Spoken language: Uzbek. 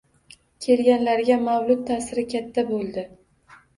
Kelganlarga mavlud ta'siri katta bo'ldi.